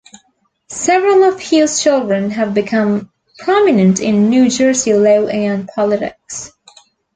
Several of Hughes' children have become prominent in New Jersey law and politics.